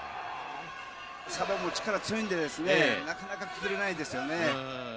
サボンも力強いんでですね、なかなか崩れないですよね。